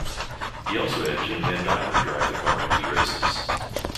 He also had Jim VanDiver drive the car in two races.